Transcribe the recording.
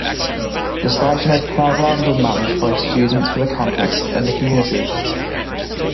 The station is programmed and managed by students for the campus and the community.